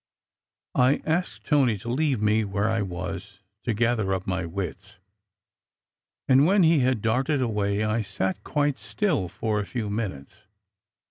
I asked Tony to leave me where I was, to gather up my wits, and when he had darted away I sat quite still for a few minutes.